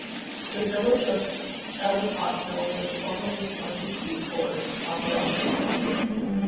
The Village of Ellicottville was formerly the county seat for Cattaraugus County.